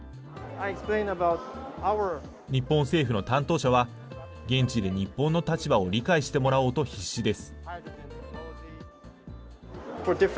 日本政府の担当者は、現地で日本の立場を理解してもらおうと必死です。